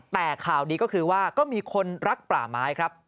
แต่ข่าวดีก็คือว่าก็มีคนรักป่าไม้ครับ